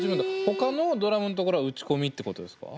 ほかのドラムのところは打ち込みってことですか。